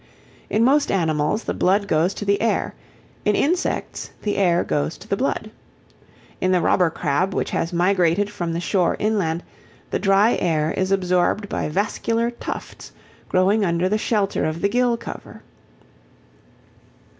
In most animals the blood goes to the air, in insects the air goes to the blood. In the Robber Crab, which has migrated from the shore inland, the dry air is absorbed by vascular tufts growing under the shelter of the gill cover.